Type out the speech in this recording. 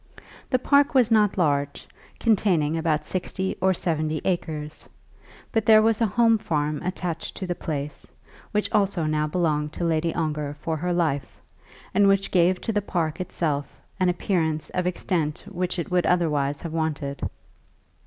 The park was not large, containing about sixty or seventy acres. But there was a home farm attached to the place, which also now belonged to Lady Ongar for her life, and which gave to the park itself an appearance of extent which it would otherwise have wanted.